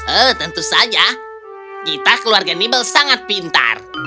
eh tentu saja kita keluarga nibel sangat pintar